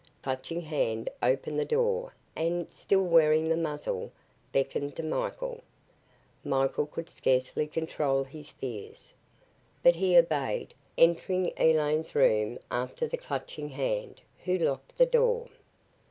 Clutching Hand opened the door and, still wearing the muzzle, beckoned to Michael. Michael could scarcely control his fears. But he obeyed, entering Elaine's room after the Clutching Hand, who locked the door.